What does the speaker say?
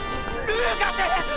ルーカス！！